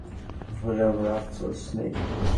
এই যুদ্ধে আমার স্ত্রী-মেয়ে শহীদ হলেও আমার আফসোস নেই।